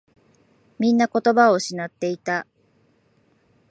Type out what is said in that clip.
みんな言葉を失っていた。